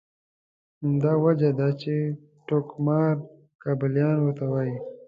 همدا وجه ده چې ټوکمار کابلیان ورته وایي.